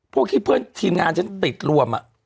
พวกที่เพื่อนทีมงานฉันติดรวม